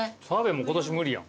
もう今年無理やん。